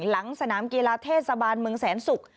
หลังสนามเกียราเทศสบานเมืองแสนสุก